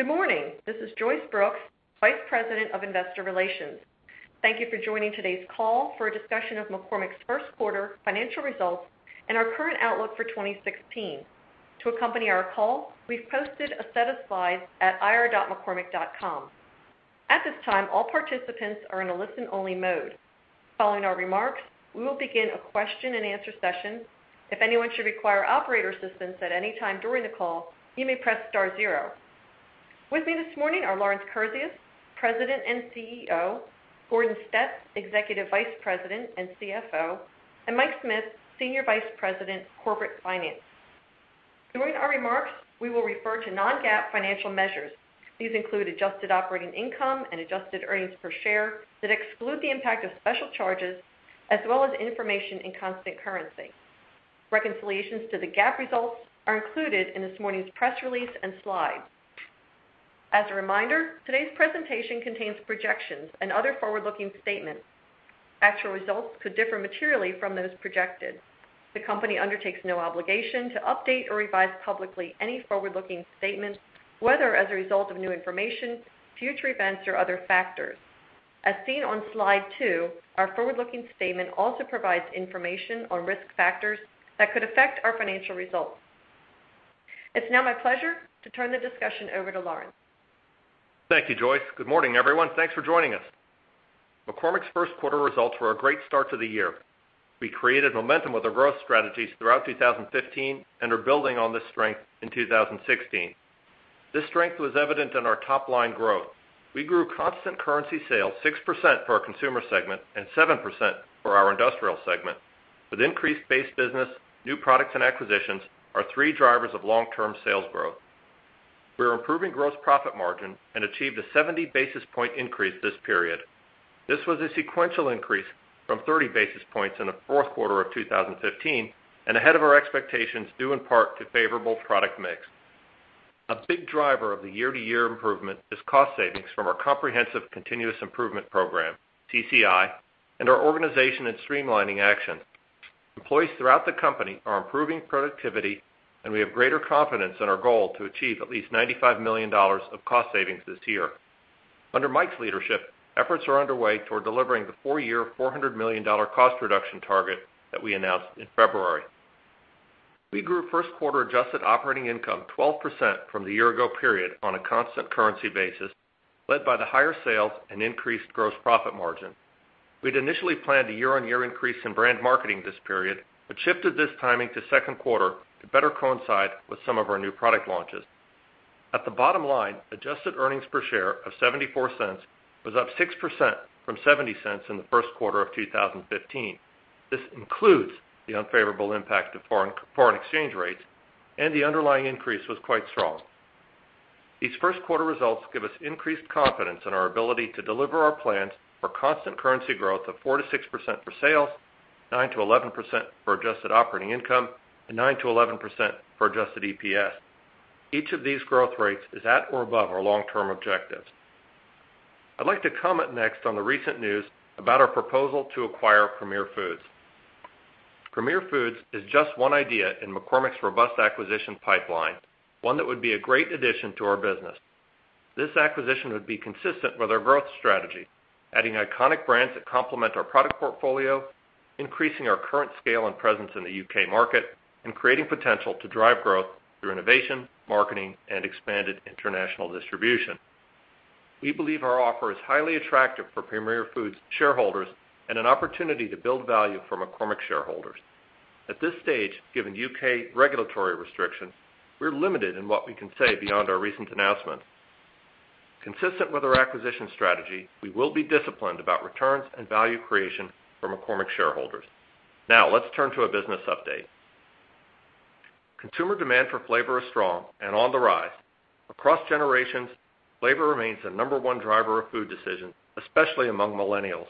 Good morning. This is Joyce Brooks, Vice President of Investor Relations. Thank you for joining today's call for a discussion of McCormick's first quarter financial results and our current outlook for 2016. To accompany our call, we've posted a set of slides at ir.mccormick.com. At this time, all participants are in a listen-only mode. Following our remarks, we will begin a question and answer session. If anyone should require operator assistance at any time during the call, you may press star zero. With me this morning are Lawrence Kurzius, President and CEO, Gordon Stetz, Executive Vice President and CFO, and Mike Smith, Senior Vice President, Corporate Finance. During our remarks, we will refer to non-GAAP financial measures. These include adjusted operating income and adjusted earnings per share that exclude the impact of special charges, as well as information in constant currency. Reconciliations to the GAAP results are included in this morning's press release and slides. As a reminder, today's presentation contains projections and other forward-looking statements. Actual results could differ materially from those projected. The company undertakes no obligation to update or revise publicly any forward-looking statements, whether as a result of new information, future events, or other factors. As seen on Slide 2, our forward-looking statement also provides information on risk factors that could affect our financial results. It's now my pleasure to turn the discussion over to Lawrence. Thank you, Joyce. Good morning, everyone. Thanks for joining us. McCormick's first quarter results were a great start to the year. We created momentum with our growth strategies throughout 2015 and are building on this strength in 2016. This strength was evident in our top-line growth. We grew constant currency sales 6% for our consumer segment and 7% for our industrial segment, with increased base business, new products, and acquisitions, our three drivers of long-term sales growth. We are improving gross profit margin and achieved a 70-basis-point increase this period. This was a sequential increase from 30 basis points in the fourth quarter of 2015 and ahead of our expectations, due in part to favorable product mix. A big driver of the year-to-year improvement is cost savings from our comprehensive continuous improvement program, CCI, and our organization and streamlining action. Employees throughout the company are improving productivity, and we have greater confidence in our goal to achieve at least $95 million of cost savings this year. Under Mike's leadership, efforts are underway toward delivering the four-year, $400 million cost reduction target that we announced in February. We grew first quarter adjusted operating income 12% from the year-ago period on a constant currency basis, led by the higher sales and increased gross profit margin. We'd initially planned a year-on-year increase in brand marketing this period, but shifted this timing to second quarter to better coincide with some of our new product launches. At the bottom line, adjusted earnings per share of $0.74 was up 6% from $0.70 in the first quarter of 2015. This includes the unfavorable impact of foreign exchange rates, and the underlying increase was quite strong. These first quarter results give us increased confidence in our ability to deliver our plans for constant currency growth of 4%-6% for sales, 9%-11% for adjusted operating income, and 9%-11% for adjusted EPS. Each of these growth rates is at or above our long-term objectives. I'd like to comment next on the recent news about our proposal to acquire Premier Foods. Premier Foods is just one idea in McCormick's robust acquisition pipeline, one that would be a great addition to our business. This acquisition would be consistent with our growth strategy, adding iconic brands that complement our product portfolio, increasing our current scale and presence in the U.K. market, and creating potential to drive growth through innovation, marketing, and expanded international distribution. We believe our offer is highly attractive for Premier Foods shareholders and an opportunity to build value for McCormick shareholders. At this stage, given U.K. regulatory restrictions, we're limited in what we can say beyond our recent announcement. Consistent with our acquisition strategy, we will be disciplined about returns and value creation for McCormick shareholders. Let's turn to a business update. Consumer demand for flavor is strong and on the rise. Across generations, flavor remains the number one driver of food decisions, especially among millennials.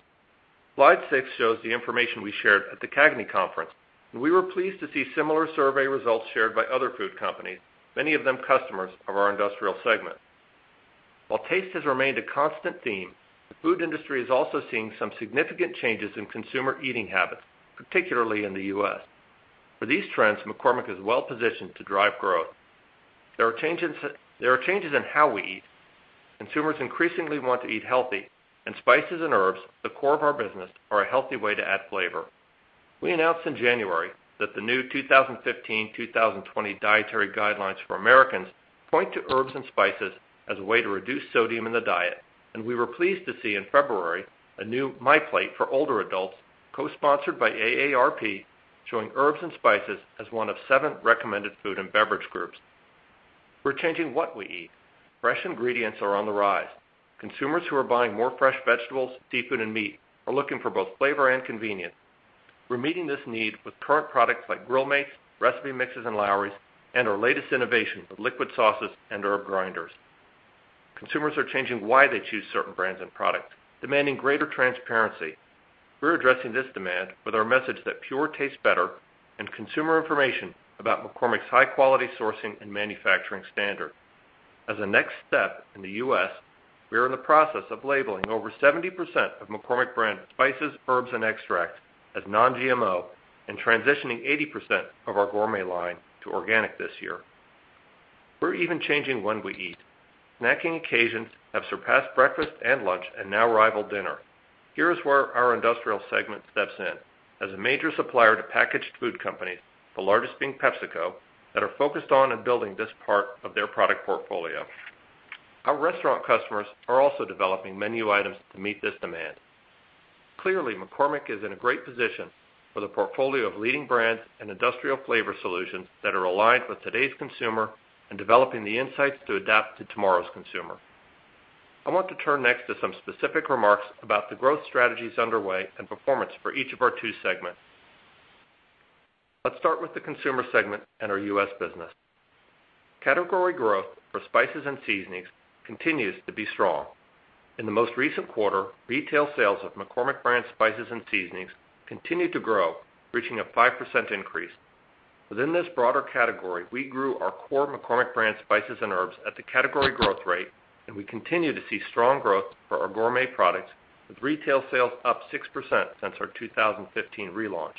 Slide six shows the information we shared at the CAGNY conference, and we were pleased to see similar survey results shared by other food companies, many of them customers of our industrial segment. While taste has remained a constant theme, the food industry is also seeing some significant changes in consumer eating habits, particularly in the U.S. For these trends, McCormick is well positioned to drive growth. There are changes in how we eat. Consumers increasingly want to eat healthy, and spices and herbs, the core of our business, are a healthy way to add flavor. We announced in January that the new 2015/2020 dietary guidelines for Americans point to herbs and spices as a way to reduce sodium in the diet, and we were pleased to see in February a new MyPlate for older adults, co-sponsored by AARP, showing herbs and spices as one of seven recommended food and beverage groups. We're changing what we eat. Fresh ingredients are on the rise. Consumers who are buying more fresh vegetables, seafood, and meat are looking for both flavor and convenience. We're meeting this need with current products like Grill Mates, recipe mixes, and Lawry's, and our latest innovation with liquid sauces and herb grinders. Consumers are changing why they choose certain brands and products, demanding greater transparency. We're addressing this demand with our message that pure tastes better and consumer information about McCormick's high-quality sourcing and manufacturing standard. As a next step in the U.S., we are in the process of labeling over 70% of McCormick brand spices, herbs, and extracts as non-GMO and transitioning 80% of our gourmet line to organic this year. We're even changing when we eat. Snacking occasions have surpassed breakfast and lunch and now rival dinner. Here's where our industrial segment steps in. As a major supplier to packaged food companies, the largest being PepsiCo, that are focused on and building this part of their product portfolio. Our restaurant customers are also developing menu items to meet this demand. Clearly, McCormick is in a great position with a portfolio of leading brands and industrial flavor solutions that are aligned with today's consumer and developing the insights to adapt to tomorrow's consumer. I want to turn next to some specific remarks about the growth strategies underway and performance for each of our two segments. Let's start with the consumer segment and our U.S. business. Category growth for spices and seasonings continues to be strong. In the most recent quarter, retail sales of McCormick brand spices and seasonings continued to grow, reaching a 5% increase. Within this broader category, we grew our core McCormick brand spices and herbs at the category growth rate, and we continue to see strong growth for our gourmet products, with retail sales up 6% since our 2015 relaunch.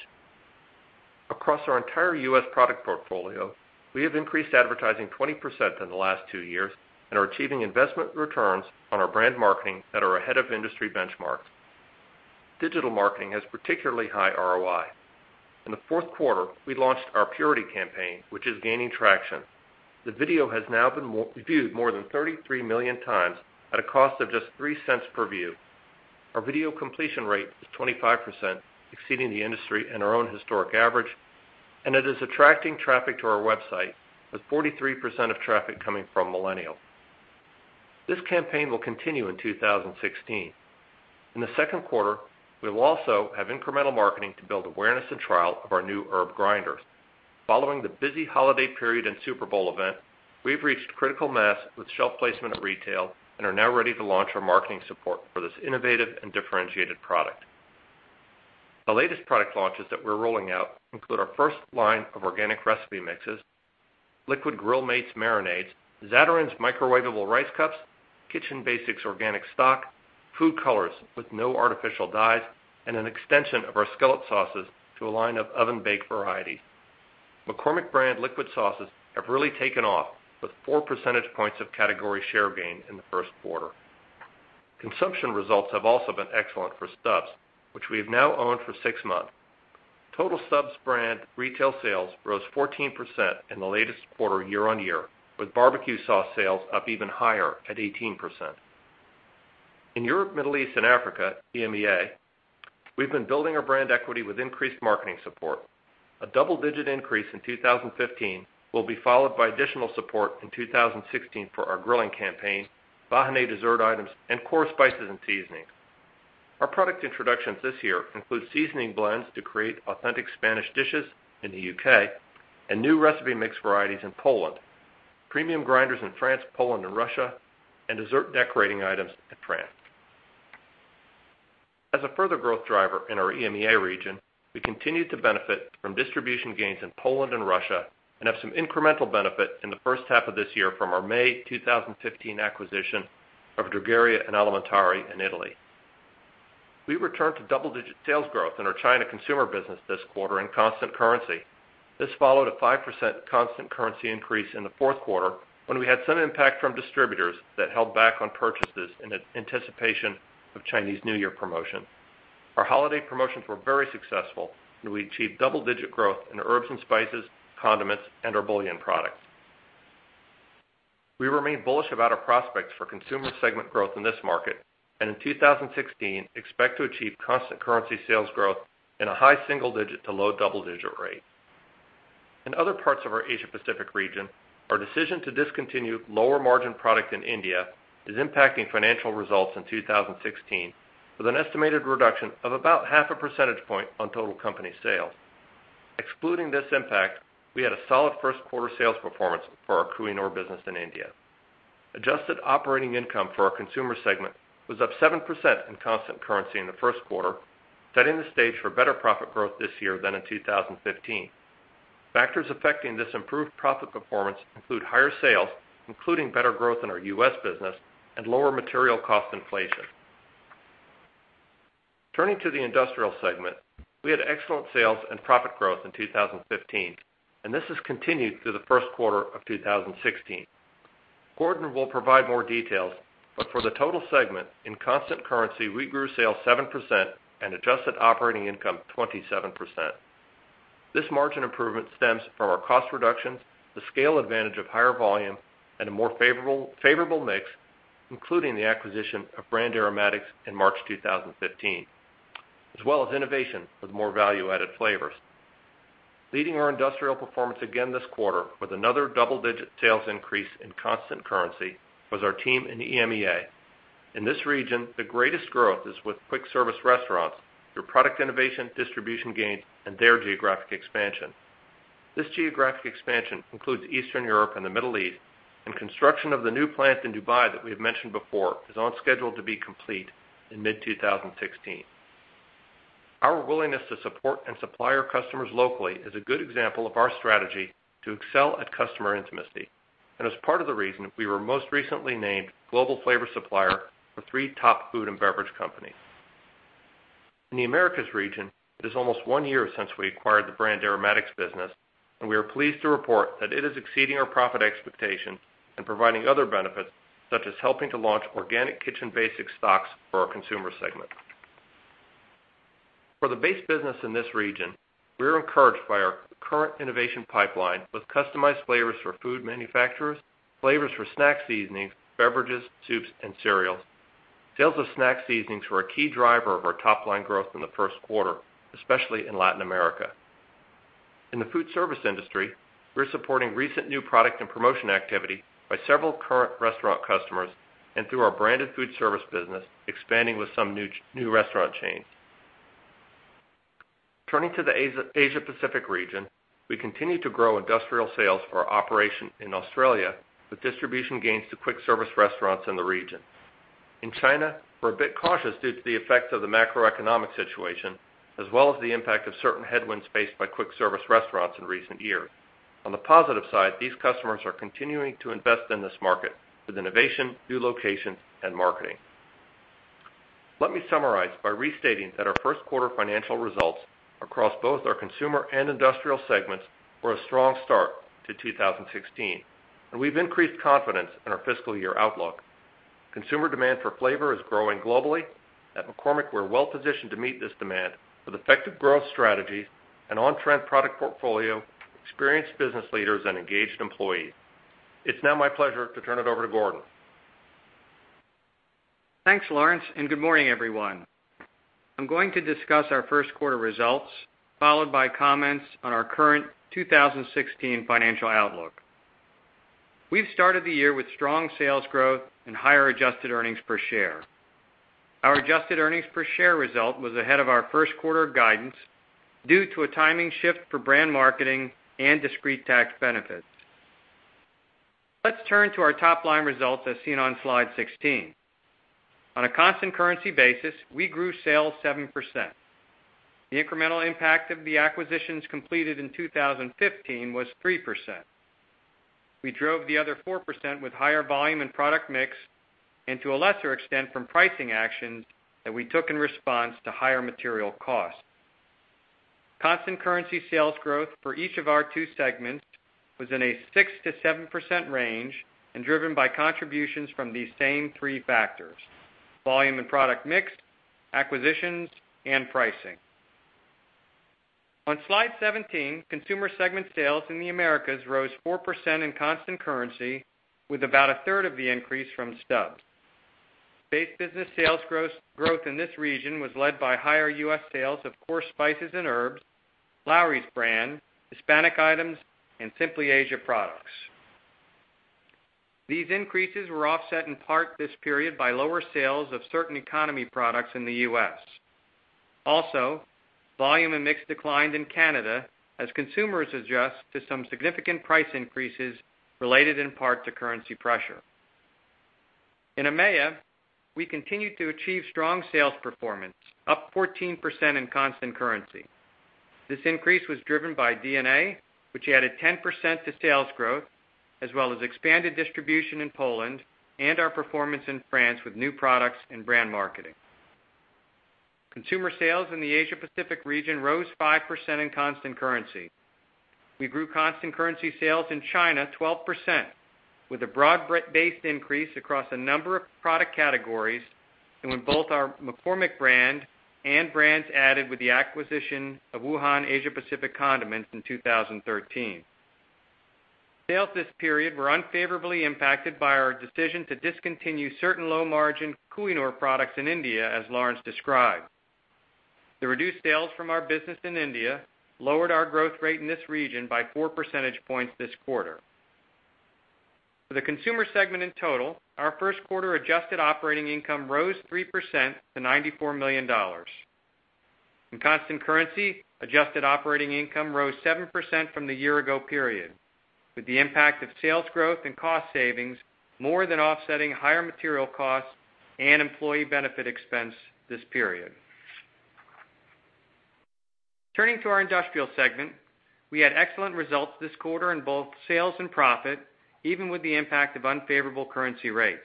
Across our entire U.S. product portfolio, we have increased advertising 20% in the last two years and are achieving investment returns on our brand marketing that are ahead of industry benchmarks. Digital marketing has particularly high ROI. In the fourth quarter, we launched our Purity campaign, which is gaining traction. The video has now been viewed more than 33 million times at a cost of just $0.03 per view. Our video completion rate is 25%, exceeding the industry and our own historic average, and it is attracting traffic to our website, with 43% of traffic coming from millennials. This campaign will continue in 2016. In the second quarter, we will also have incremental marketing to build awareness and trial of our new herb grinders. Following the busy holiday period and Super Bowl event, we've reached critical mass with shelf placement at retail and are now ready to launch our marketing support for this innovative and differentiated product. The latest product launches that we're rolling out include our first line of organic recipe mixes, liquid Grill Mates marinades, Zatarain's microwavable rice cups, Kitchen Basics organic stock, food colors with no artificial dyes, and an extension of our Skillet Sauces to a line of oven-baked varieties. McCormick brand liquid sauces have really taken off, with four percentage points of category share gain in the first quarter. Consumption results have also been excellent for Stubb's, which we have now owned for six months. Total Stubb's brand retail sales rose 14% in the latest quarter year-on-year, with barbecue sauce sales up even higher at 18%. In Europe, Middle East, and Africa, EMEA, we've been building our brand equity with increased marketing support. A double-digit increase in 2015 will be followed by additional support in 2016 for our grilling campaign, Vahiné dessert items, and core spices and seasonings. Our product introductions this year include seasoning blends to create authentic Spanish dishes in the U.K. and new recipe mix varieties in Poland, premium grinders in France, Poland, and Russia, and dessert decorating items in France. As a further growth driver in our EMEA region, we continue to benefit from distribution gains in Poland and Russia and have some incremental benefit in the first half of this year from our May 2015 acquisition of Drogheria & Alimentari in Italy. We returned to double-digit sales growth in our China consumer business this quarter in constant currency. This followed a 5% constant currency increase in the fourth quarter when we had some impact from distributors that held back on purchases in anticipation of Chinese New Year promotion. Our holiday promotions were very successful, and we achieved double-digit growth in herbs and spices, condiments, and our bouillon products. We remain bullish about our prospects for consumer segment growth in this market, in 2016, expect to achieve constant currency sales growth in a high single-digit to low double-digit rate. In other parts of our Asia Pacific region, our decision to discontinue lower margin product in India is impacting financial results in 2016 with an estimated reduction of about half a percentage point on total company sales. Excluding this impact, we had a solid first quarter sales performance for our Kohinoor business in India. Adjusted operating income for our consumer segment was up 7% in constant currency in the first quarter, setting the stage for better profit growth this year than in 2015. Factors affecting this improved profit performance include higher sales, including better growth in our U.S. business and lower material cost inflation. Turning to the industrial segment, we had excellent sales and profit growth in 2015, this has continued through the first quarter of 2016. Gordon will provide more details, but for the total segment, in constant currency, we grew sales 7% and adjusted operating income 27%. This margin improvement stems from our cost reductions, the scale advantage of higher volume, and a more favorable mix, including the acquisition of Brand Aromatics in March 2015, as well as innovation with more value-added flavors. Leading our industrial performance again this quarter with another double-digit sales increase in constant currency was our team in EMEA. In this region, the greatest growth is with quick service restaurants through product innovation, distribution gains, and their geographic expansion. This geographic expansion includes Eastern Europe and the Middle East, construction of the new plant in Dubai that we have mentioned before is on schedule to be complete in mid-2016. Our willingness to support and supply our customers locally is a good example of our strategy to excel at customer intimacy, is part of the reason we were most recently named global flavor supplier for three top food and beverage companies. In the Americas region, it is almost one year since we acquired the Brand Aromatics business, we are pleased to report that it is exceeding our profit expectations and providing other benefits, such as helping to launch organic Kitchen Basics stocks for our consumer segment. For the base business in this region, we are encouraged by our current innovation pipeline with customized flavors for food manufacturers, flavors for snack seasonings, beverages, soups, and cereals. Sales of snack seasonings were a key driver of our top-line growth in the first quarter, especially in Latin America. In the food service industry, we're supporting recent new product and promotion activity by several current restaurant customers, through our branded food service business, expanding with some new restaurant chains. Turning to the Asia Pacific region, we continue to grow industrial sales for our operation in Australia with distribution gains to quick service restaurants in the region. In China, we're a bit cautious due to the effects of the macroeconomic situation, as well as the impact of certain headwinds faced by quick service restaurants in recent years. On the positive side, these customers are continuing to invest in this market with innovation, new locations, and marketing. Let me summarize by restating that our first quarter financial results across both our consumer and industrial segments were a strong start to 2016, and we've increased confidence in our fiscal year outlook. Consumer demand for flavor is growing globally. At McCormick, we're well positioned to meet this demand with effective growth strategies, an on-trend product portfolio, experienced business leaders, and engaged employees. It's now my pleasure to turn it over to Gordon Stetz. Thanks, Lawrence Kurzius, and good morning, everyone. I'm going to discuss our first quarter results, followed by comments on our current 2016 financial outlook. We've started the year with strong sales growth and higher adjusted earnings per share. Our adjusted earnings per share result was ahead of our first quarter guidance due to a timing shift for brand marketing and discrete tax benefits. Let's turn to our top-line results, as seen on slide 16. On a constant currency basis, we grew sales 7%. The incremental impact of the acquisitions completed in 2015 was 3%. We drove the other 4% with higher volume and product mix, and to a lesser extent, from pricing actions that we took in response to higher material costs. Constant currency sales growth for each of our two segments was in a 6%-7% range and driven by contributions from these same three factors, volume and product mix, acquisitions, and pricing. On slide 17, consumer segment sales in the Americas rose 4% in constant currency, with about a third of the increase from Stubb's. Base business sales growth in this region was led by higher U.S. sales of coarse spices and herbs, Lawry's brand, Hispanic items, and Simply Asia products. These increases were offset in part this period by lower sales of certain economy products in the U.S. Volume and mix declined in Canada as consumers adjust to some significant price increases related in part to currency pressure. In EMEA, we continued to achieve strong sales performance, up 14% in constant currency. This increase was driven by D&A, which added 10% to sales growth, as well as expanded distribution in Poland and our performance in France with new products and brand marketing. Consumer sales in the Asia Pacific region rose 5% in constant currency. We grew constant currency sales in China 12%, with a broad-based increase across a number of product categories and with both our McCormick brand and brands added with the acquisition of Wuhan Asia-Pacific Condiments in 2013. Sales this period were unfavorably impacted by our decision to discontinue certain low-margin Kohinoor products in India, as Lawrence Kurzius described. The reduced sales from our business in India lowered our growth rate in this region by four percentage points this quarter. For the consumer segment in total, our first quarter adjusted operating income rose 3% to $94 million. In constant currency, adjusted operating income rose 7% from the year ago period, with the impact of sales growth and cost savings more than offsetting higher material costs and employee benefit expense this period. Turning to our industrial segment, we had excellent results this quarter in both sales and profit, even with the impact of unfavorable currency rates.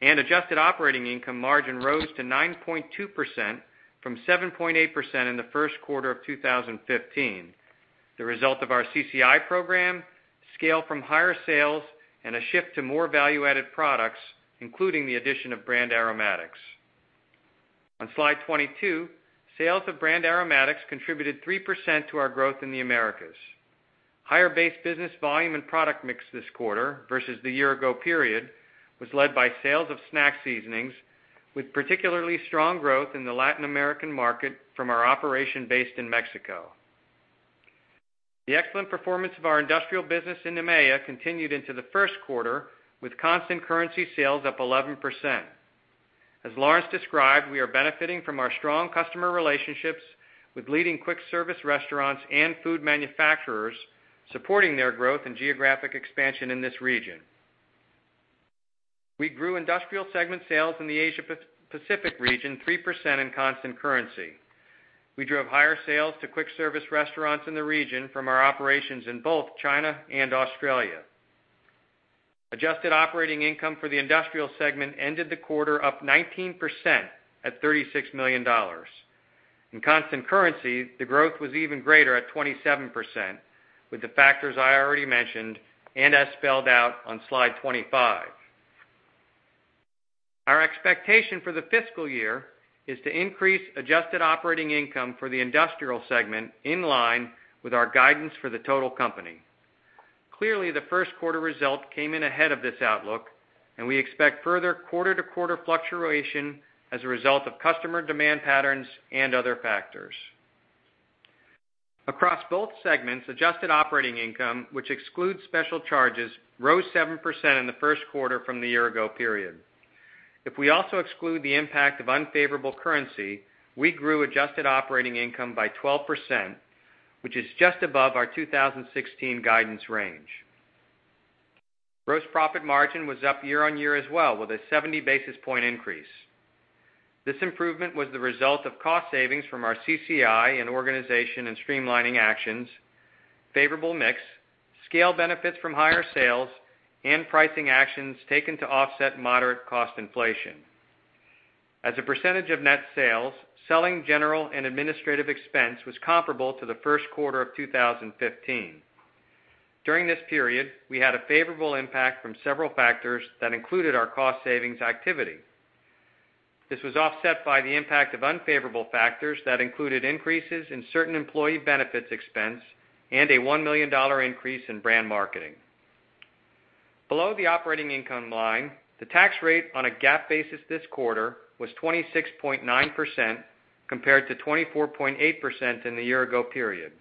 Adjusted operating income margin rose to 9.2% from 7.8% in the first quarter of 2015, the result of our CCI program, scale from higher sales, and a shift to more value-added products, including the addition of Brand Aromatics. On slide 22, sales of Brand Aromatics contributed 3% to our growth in the Americas. Higher base business volume and product mix this quarter versus the year ago period was led by sales of snack seasonings, with particularly strong growth in the Latin American market from our operation based in Mexico. The excellent performance of our industrial business in EMEA continued into the first quarter, with constant currency sales up 11%. As Lawrence described, we are benefiting from our strong customer relationships with leading quick service restaurants and food manufacturers, supporting their growth and geographic expansion in this region. We grew industrial segment sales in the Asia Pacific region 3% in constant currency. We drove higher sales to quick service restaurants in the region from our operations in both China and Australia. Adjusted operating income for the industrial segment ended the quarter up 19% at $36 million. In constant currency, the growth was even greater at 27%, with the factors I already mentioned and as spelled out on slide 25. Our expectation for the fiscal year is to increase adjusted operating income for the industrial segment in line with our guidance for the total company. Clearly, the first quarter result came in ahead of this outlook, and we expect further quarter-to-quarter fluctuation as a result of customer demand patterns and other factors. Across both segments, adjusted operating income, which excludes special charges, rose 7% in the first quarter from the year ago period. If we also exclude the impact of unfavorable currency, we grew adjusted operating income by 12%, which is just above our 2016 guidance range. Gross profit margin was up year-on-year as well with a 70 basis point increase. This improvement was the result of cost savings from our CCI and organization and streamlining actions, favorable mix, scale benefits from higher sales, and pricing actions taken to offset moderate cost inflation. As a percentage of net sales, selling, general, and administrative expense was comparable to the first quarter of 2015. During this period, we had a favorable impact from several factors that included our cost savings activity. This was offset by the impact of unfavorable factors that included increases in certain employee benefits expense and a $1 million increase in brand marketing. Below the operating income line, the tax rate on a GAAP basis this quarter was 26.9% compared to 24.8% in the year ago period.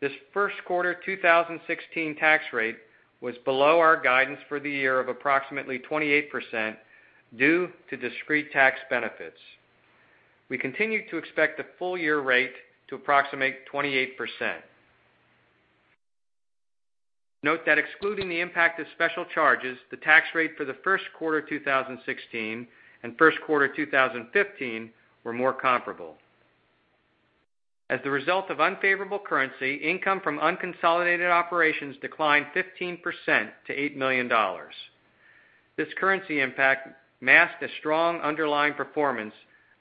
This first quarter 2016 tax rate was below our guidance for the year of approximately 28% due to discrete tax benefits. We continue to expect the full year rate to approximate 28%. Note that excluding the impact of special charges, the tax rate for the first quarter 2016 and first quarter 2015 were more comparable. As the result of unfavorable currency, income from unconsolidated operations declined 15% to $8 million. This currency impact masked a strong underlying performance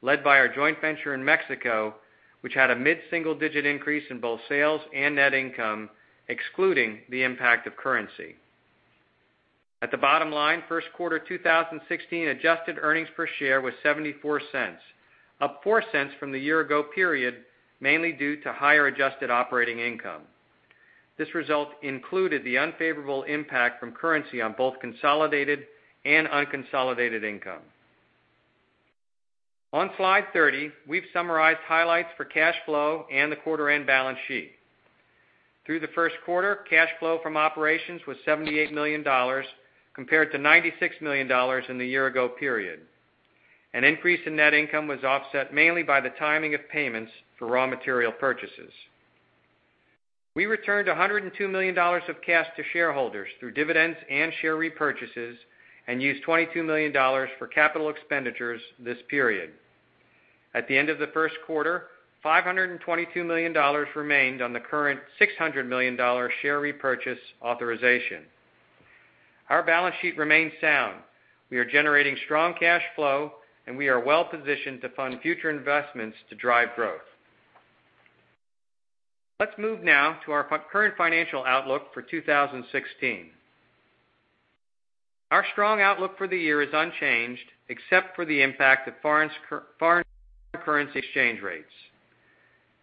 led by our joint venture in Mexico, which had a mid-single-digit increase in both sales and net income, excluding the impact of currency. At the bottom line, first quarter 2016 adjusted earnings per share was $0.74, up $0.04 from the year ago period, mainly due to higher adjusted operating income. This result included the unfavorable impact from currency on both consolidated and unconsolidated income. On slide 30, we've summarized highlights for cash flow and the quarter-end balance sheet. Through the first quarter, cash flow from operations was $78 million compared to $96 million in the year ago period. An increase in net income was offset mainly by the timing of payments for raw material purchases. We returned $102 million of cash to shareholders through dividends and share repurchases and used $22 million for capital expenditures this period. At the end of the first quarter, $522 million remained on the current $600 million share repurchase authorization. Our balance sheet remains sound. We are generating strong cash flow, and we are well positioned to fund future investments to drive growth. Let's move now to our current financial outlook for 2016. Our strong outlook for the year is unchanged, except for the impact of foreign currency exchange rates.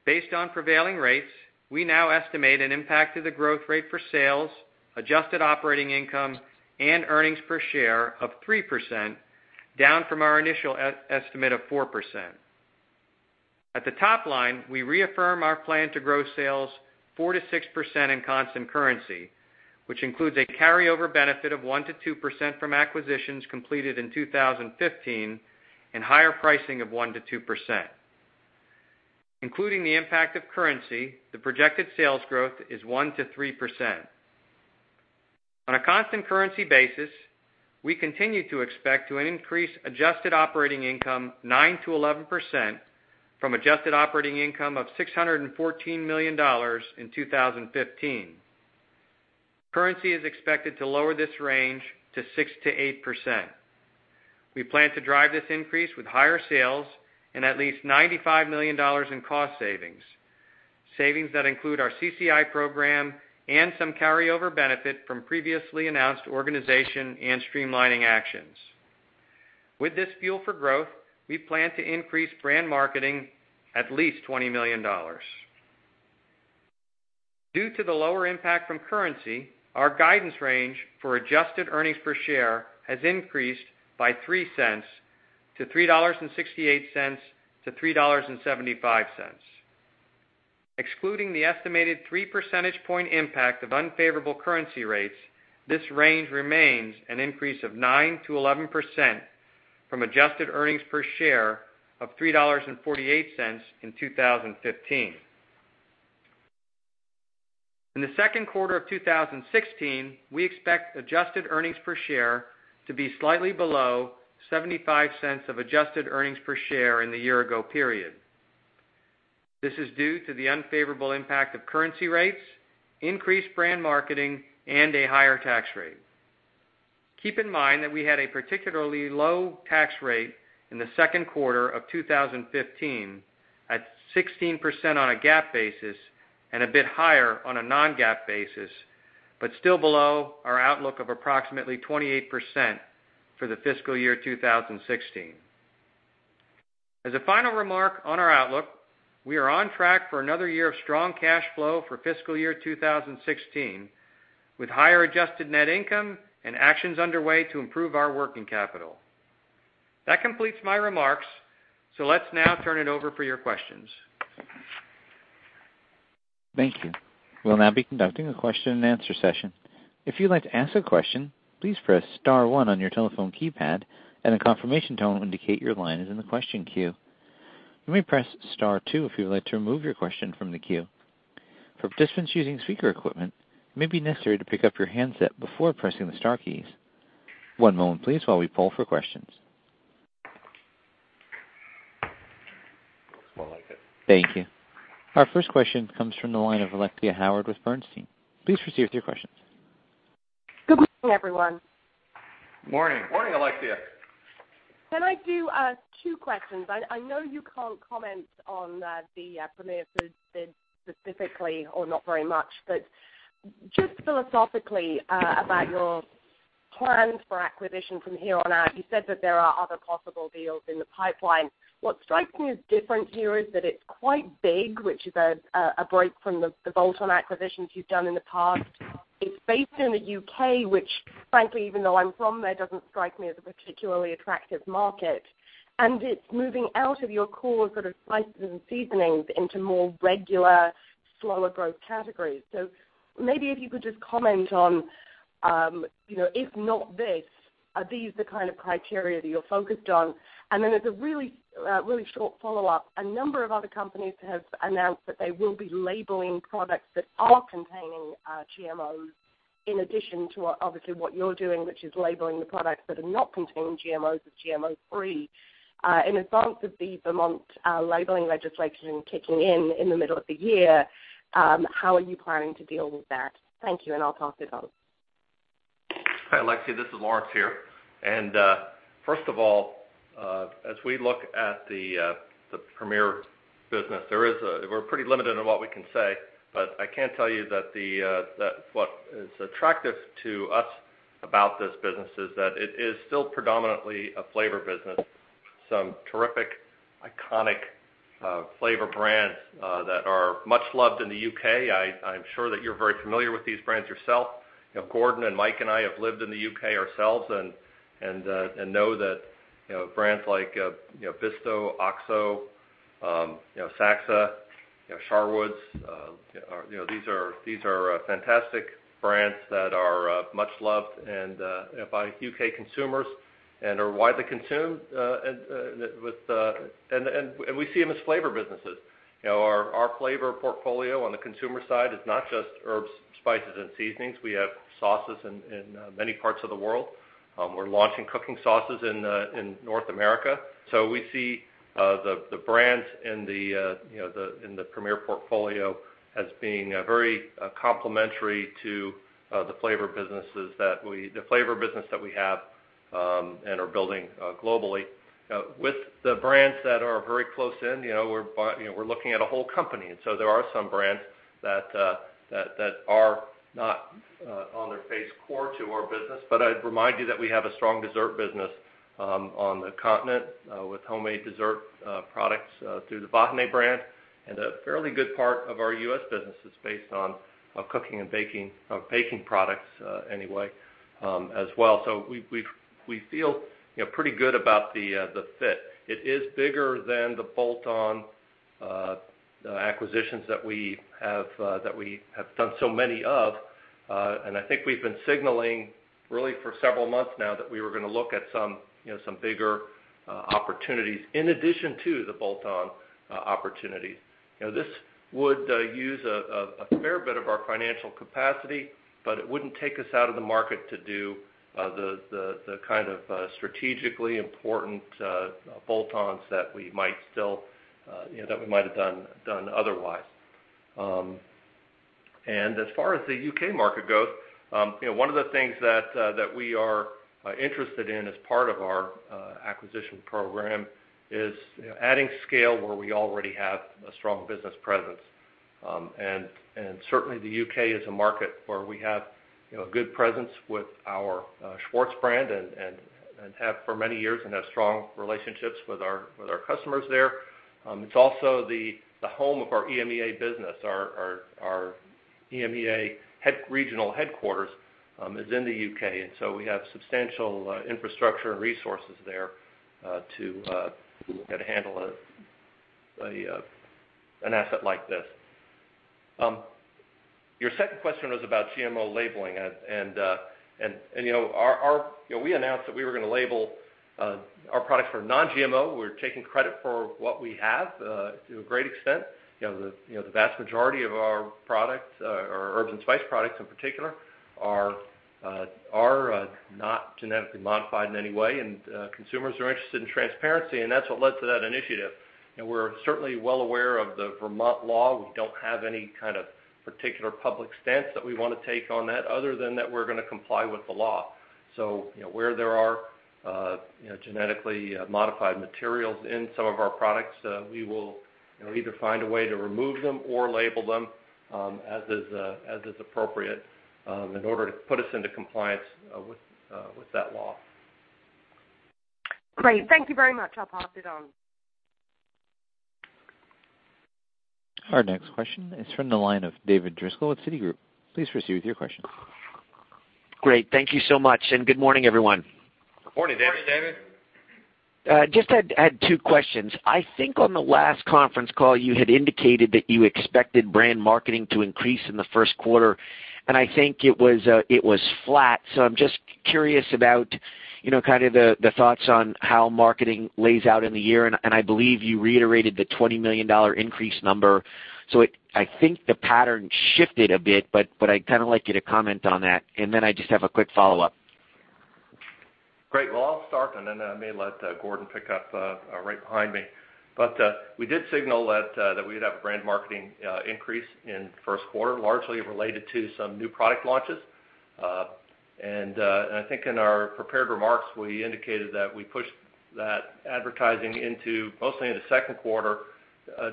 Based on prevailing rates, we now estimate an impact to the growth rate for sales, adjusted operating income, and earnings per share of 3%, down from our initial estimate of 4%. At the top line, we reaffirm our plan to grow sales 4%-6% in constant currency, which includes a carryover benefit of 1%-2% from acquisitions completed in 2015 and higher pricing of 1%-2%. Including the impact of currency, the projected sales growth is 1%-3%. On a constant currency basis, we continue to expect to increase adjusted operating income 9%-11% from adjusted operating income of $614 million in 2015. Currency is expected to lower this range to 6%-8%. We plan to drive this increase with higher sales and at least $95 million in cost savings that include our CCI program and some carryover benefit from previously announced organization and streamlining actions. With this fuel for growth, we plan to increase brand marketing at least $20 million. Due to the lower impact from currency, our guidance range for adjusted earnings per share has increased by $0.03 to $3.68-$3.75. Excluding the estimated three percentage point impact of unfavorable currency rates, this range remains an increase of 9%-11% from adjusted earnings per share of $3.48 in 2015. In the second quarter of 2016, we expect adjusted earnings per share to be slightly below $0.75 of adjusted earnings per share in the year ago period. This is due to the unfavorable impact of currency rates, increased brand marketing, and a higher tax rate. Keep in mind that we had a particularly low tax rate in the second quarter of 2015, at 16% on a GAAP basis and a bit higher on a non-GAAP basis, but still below our outlook of approximately 28% for the fiscal year 2016. As a final remark on our outlook, we are on track for another year of strong cash flow for fiscal year 2016, with higher adjusted net income and actions underway to improve our working capital. That completes my remarks, let's now turn it over for your questions. Thank you. We'll now be conducting a question and answer session. If you'd like to ask a question, please press star one on your telephone keypad, and a confirmation tone will indicate your line is in the question queue. You may press star two if you would like to remove your question from the queue. For participants using speaker equipment, it may be necessary to pick up your handset before pressing the star keys. One moment please while we poll for questions. Looks more like it. Thank you. Our first question comes from the line of Alexia Howard with Bernstein. Please proceed with your questions. Good morning, everyone. Morning. Morning, Alexia. Can I do two questions? I know you can't comment on the Premier Foods bid specifically or not very much, but just philosophically about your plans for acquisition from here on out, you said that there are other possible deals in the pipeline. What strikes me as different here is that it's quite big, which is a break from the bolt-on acquisitions you've done in the past. It's based in the U.K., which frankly, even though I'm from there, doesn't strike me as a particularly attractive market, and it's moving out of your core spices and seasonings into more regular, slower growth categories. Maybe if you could just comment on if not this, are these the kind of criteria that you're focused on? As a really short follow-up, a number of other companies have announced that they will be labeling products that are containing GMOs, in addition to obviously what you're doing, which is labeling the products that are not containing GMOs as GMO-free. In advance of the Vermont labeling legislation kicking in the middle of the year, how are you planning to deal with that? Thank you, and I'll pass it on. Hi, Alexia. This is Lawrence here. First of all, as we look at the Premier business, we're pretty limited on what we can say, but I can tell you that what is attractive to us about this business is that it is still predominantly a flavor business. Some terrific, iconic flavor brands that are much loved in the U.K. I'm sure that you're very familiar with these brands yourself. Gordon and Mike and I have lived in the U.K. ourselves and know that brands like Bisto, Oxo, Saxa, Sharwood's, these are fantastic brands that are much loved by U.K. consumers and are widely consumed, and we see them as flavor businesses. Our flavor portfolio on the consumer side is not just herbs, spices, and seasonings. We have sauces in many parts of the world. We're launching cooking sauces in North America. We see the brands in the Premier portfolio as being very complementary to the flavor business that we have and are building globally. With the brands that are very close in, we're looking at a whole company, there are some brands that are not on their face core to our business. I'd remind you that we have a strong dessert business on the continent with homemade dessert products through the Vahiné brand, and a fairly good part of our U.S. business is based on cooking and baking products anyway, as well. We feel pretty good about the fit. It is bigger than the bolt-on acquisitions that we have done so many of. I think we've been signaling really for several months now that we were going to look at some bigger opportunities in addition to the bolt-on opportunities. This would use a fair bit of our financial capacity, it wouldn't take us out of the market to do the kind of strategically important bolt-ons that we might have done otherwise. As far as the U.K. market goes, one of the things that we are interested in as part of our acquisition program is adding scale where we already have a strong business presence. Certainly, the U.K. is a market where we have a good presence with our Schwartz brand and have for many years and have strong relationships with our customers there. It's also the home of our EMEA business. Our EMEA regional headquarters is in the U.K., we have substantial infrastructure and resources there to handle an asset like this. Your second question was about GMO labeling, we announced that we were going to label our products for non-GMO. We're taking credit for what we have to a great extent. The vast majority of our products, our herbs and spice products in particular, are not genetically modified in any way, and consumers are interested in transparency, and that's what led to that initiative. We're certainly well aware of the Vermont law. We don't have any kind of particular public stance that we want to take on that other than that we're going to comply with the law. Where there are genetically modified materials in some of our products, we will either find a way to remove them or label them, as is appropriate, in order to put us into compliance with that law. Great. Thank you very much. I'll pass it on. Our next question is from the line of David Driscoll at Citigroup. Please proceed with your question. Great. Thank you so much, and good morning, everyone. Good morning, David. Just had two questions. I think on the last conference call, you had indicated that you expected brand marketing to increase in the first quarter, and I think it was flat. I'm just curious about the thoughts on how marketing lays out in the year, and I believe you reiterated the $20 million increase number. I think the pattern shifted a bit, but I'd like you to comment on that. Then I just have a quick follow-up. I'll start, and then I may let Gordon pick up right behind me. We did signal that we would have a brand marketing increase in first quarter, largely related to some new product launches. I think in our prepared remarks, we indicated that we pushed that advertising into mostly in the second quarter,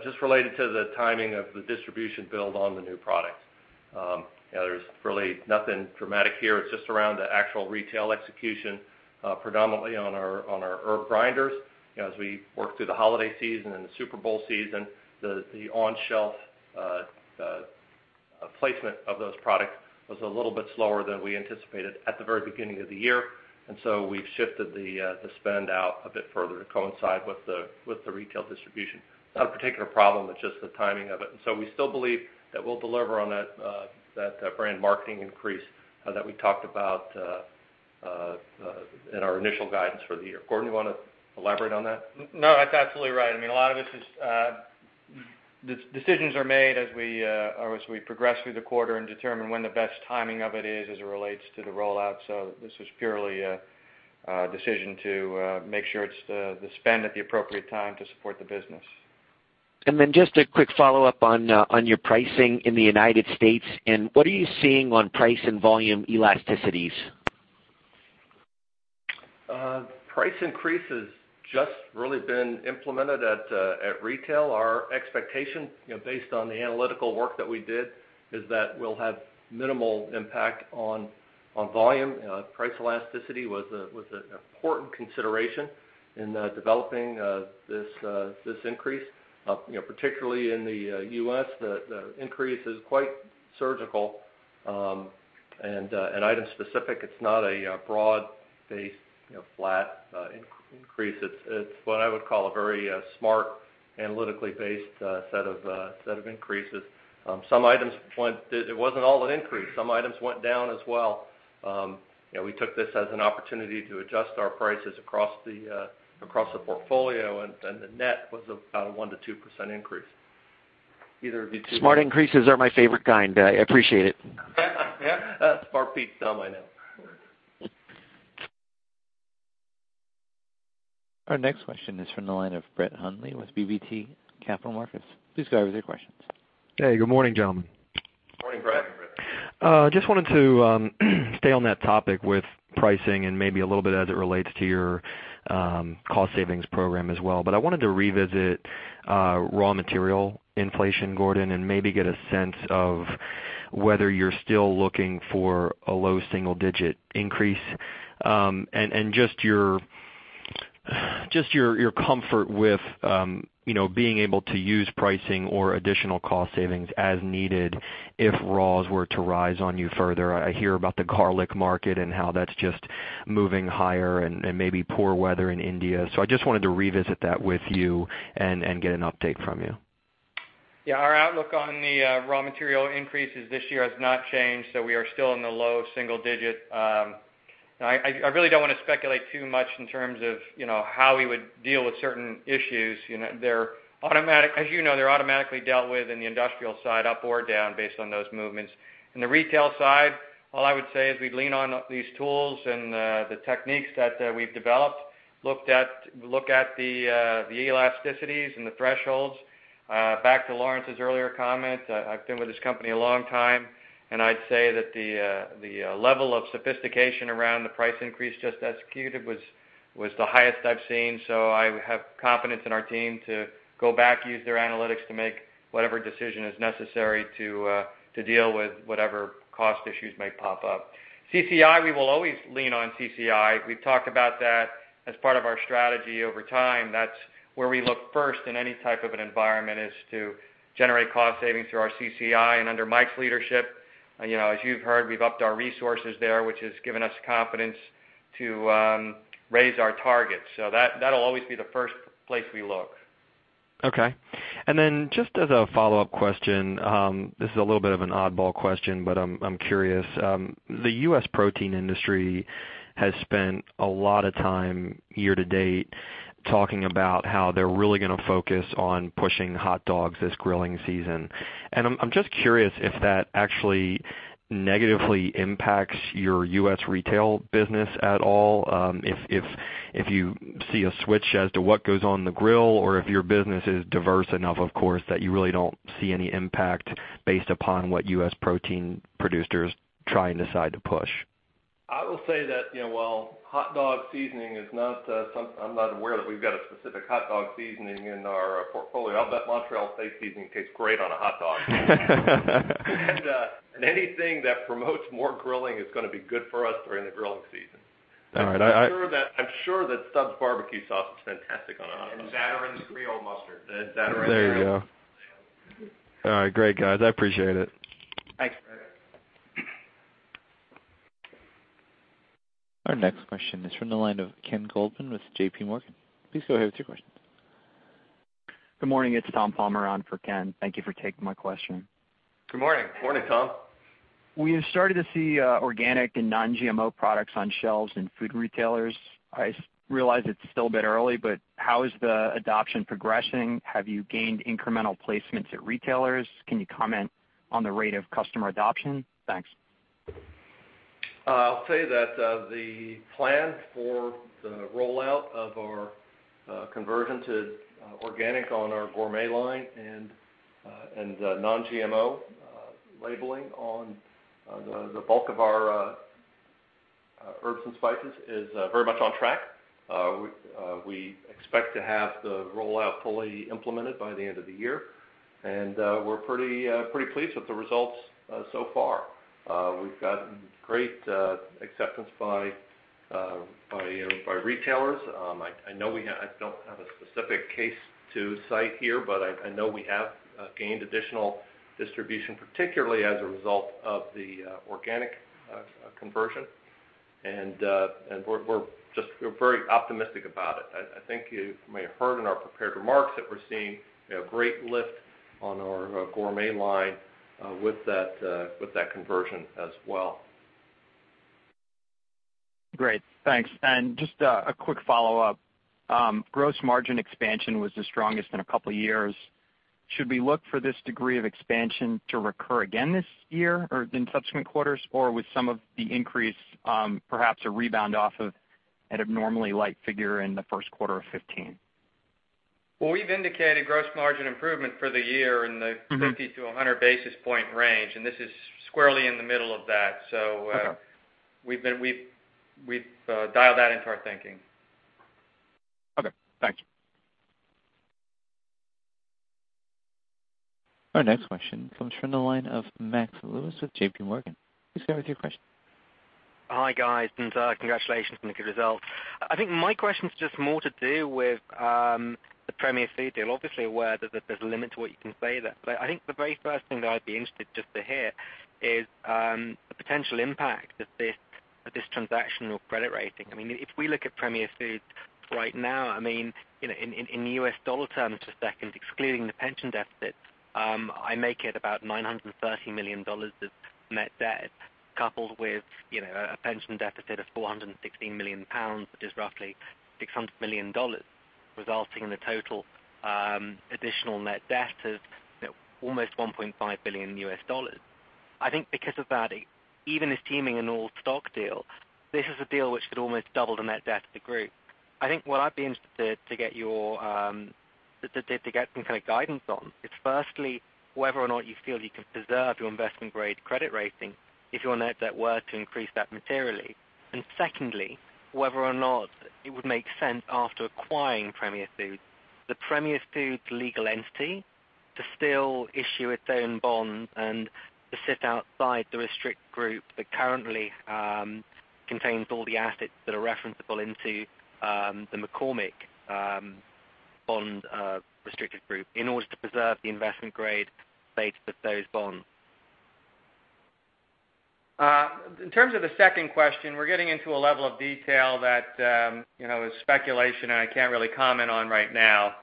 just related to the timing of the distribution build on the new products. There's really nothing dramatic here. It's just around the actual retail execution, predominantly on our herb grinders. As we worked through the holiday season and the Super Bowl season, the on-shelf placement of those products was a little bit slower than we anticipated at the very beginning of the year. We've shifted the spend out a bit further to coincide with the retail distribution. Not a particular problem, it's just the timing of it. We still believe that we'll deliver on that brand marketing increase that we talked about in our initial guidance for the year. Gordon, you want to elaborate on that? No, that's absolutely right. A lot of this, decisions are made as we progress through the quarter and determine when the best timing of it is as it relates to the rollout. This is purely a decision to make sure it's the spend at the appropriate time to support the business. Just a quick follow-up on your pricing in the U.S., and what are you seeing on price and volume elasticities? Price increase has just really been implemented at retail. Our expectation, based on the analytical work that we did, is that we'll have minimal impact on volume. Price elasticity was an important consideration in developing this increase. Particularly in the U.S., the increase is quite surgical and item specific. It's not a broad-based flat increase. It's what I would call a very smart, analytically based set of increases. It wasn't all an increase. Some items went down as well. We took this as an opportunity to adjust our prices across the portfolio, and the net was about a 1%-2% increase. Either of you two Smart increases are my favorite kind. I appreciate it. Yeah. Smart beats dumb, I know. Our next question is from the line of Brett Hundley with BB&T Capital Markets. Please go ahead with your questions. Hey, good morning, gentlemen. Morning, Brett. Morning, Brett. Just wanted to stay on that topic with pricing and maybe a little bit as it relates to your cost savings program as well. I wanted to revisit raw material inflation, Gordon, and maybe get a sense of whether you're still looking for a low single-digit increase. Just your comfort with being able to use pricing or additional cost savings as needed if raws were to rise on you further. I hear about the garlic market and how that's just moving higher and maybe poor weather in India. I just wanted to revisit that with you and get an update from you. Yeah, our outlook on the raw material increases this year has not changed, so we are still in the low single digit. I really don't want to speculate too much in terms of how we would deal with certain issues. As you know, they're automatically dealt with in the industrial side, up or down, based on those movements. In the retail side, all I would say is we'd lean on these tools and the techniques that we've developed, look at the elasticities and the thresholds. Back to Lawrence's earlier comment, I've been with this company a long time, and I'd say that the level of sophistication around the price increase just executed was the highest I've seen. I have confidence in our team to go back, use their analytics to make whatever decision is necessary to deal with whatever cost issues may pop up. CCI, we will always lean on CCI. We've talked about that as part of our strategy over time. That's where we look first in any type of an environment, is to generate cost savings through our CCI. Under Mike's leadership, as you've heard, we've upped our resources there, which has given us confidence to raise our targets. That'll always be the first place we look. Okay. Just as a follow-up question, this is a little bit of an oddball question, but I'm curious. The U.S. protein industry has spent a lot of time year to date talking about how they're really going to focus on pushing hot dogs this grilling season. I'm just curious if that actually negatively impacts your U.S. retail business at all, if you see a switch as to what goes on the grill or if your business is diverse enough, of course, that you really don't see any impact based upon what U.S. protein producers try and decide to push. I will say that, while hot dog seasoning, I'm not aware that we've got a specific hot dog seasoning in our portfolio. I'll bet Montreal steak seasoning tastes great on a hot dog. Anything that promotes more grilling is going to be good for us during the grilling season. All right. I'm sure that Stubb's barbecue sauce is fantastic on a hot dog. Zatarain's Creole mustard. The Zatarain's- There you go. All right. Great, guys. I appreciate it. Thanks. Our next question is from the line of Ken with JPMorgan. Please go ahead with your question. Good morning, it's Thomas Palmer on for Ken. Thank you for taking my question. Good morning. Morning, Tom. We have started to see organic and non-GMO products on shelves in food retailers. I realize it's still a bit early, but how is the adoption progressing? Have you gained incremental placements at retailers? Can you comment on the rate of customer adoption? Thanks. I'll say that the plan for the rollout of our conversion to organic on our gourmet line and non-GMO labeling on the bulk of our herbs and spices is very much on track. We expect to have the rollout fully implemented by the end of the year, and we're pretty pleased with the results so far. We've gotten great acceptance by retailers. I don't have a specific case to cite here, but I know we have gained additional distribution, particularly as a result of the organic conversion. We're very optimistic about it. I think you may have heard in our prepared remarks that we're seeing a great lift on our gourmet line with that conversion as well. Great, thanks. Just a quick follow-up. Gross margin expansion was the strongest in a couple of years. Should we look for this degree of expansion to recur again this year or in subsequent quarters, or was some of the increase perhaps a rebound off of an abnormally light figure in the first quarter of 2015? We've indicated gross margin improvement for the year in the 50-100 basis point range, and this is squarely in the middle of that. Okay. We've dialed that into our thinking. Okay, thanks. Our next question comes from the line of Max Lewis with JPMorgan. Please go ahead with your question. Hi, guys, and congratulations on the good results. My question's just more to do with the Premier Foods deal. Obviously aware that there's a limit to what you can say there. The very first thing that I'd be interested just to hear is the potential impact of this transaction or credit rating. If we look at Premier Foods right now, in U.S. dollar terms, just a second, excluding the pension deficit, I make it about $930 million of net debt coupled with a pension deficit of £416 million, which is roughly $600 million, resulting in a total additional net debt of almost $1.5 billion. Because of that, even assuming an all-stock deal, this is a deal which could almost double the net debt of the group. What I'd be interested to get some kind of guidance on is firstly, whether or not you feel you can preserve your investment-grade credit rating if your net debt were to increase that materially. Secondly, whether or not it would make sense after acquiring Premier Foods, the Premier Foods legal entity to still issue its own bonds and to sit outside the restrict group that currently contains all the assets that are referenceable into the McCormick bond restricted group in order to preserve the investment-grade base of those bonds. In terms of the second question, we're getting into a level of detail that is speculation, and I can't really comment on right now.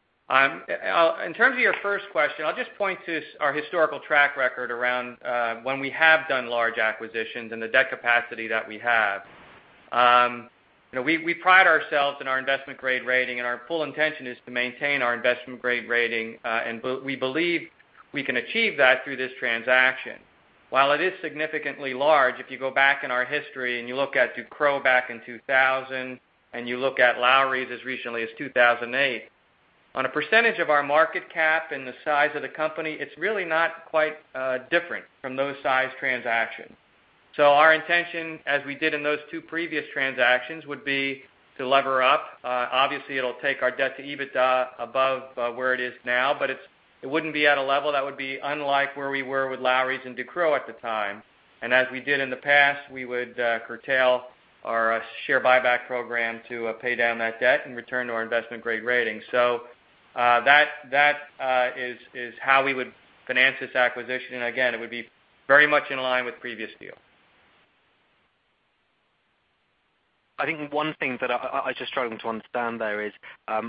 In terms of your first question, I'll just point to our historical track record around when we have done large acquisitions and the debt capacity that we have. We pride ourselves in our investment-grade rating. Our full intention is to maintain our investment-grade rating. We believe we can achieve that through this transaction. While it is significantly large, if you go back in our history and you look at Ducros back in 2000, and you look at Lawry's as recently as 2008, on a percentage of our market cap and the size of the company, it's really not quite different from those size transactions. Our intention, as we did in those two previous transactions, would be to lever up. It'll take our debt to EBITDA above where it is now, but it wouldn't be at a level that would be unlike where we were with Lawry's and Ducros at the time. As we did in the past, we would curtail our share buyback program to pay down that debt and return to our investment-grade rating. That is how we would finance this acquisition. Again, it would be very much in line with previous deals. One thing that I'm just struggling to understand there is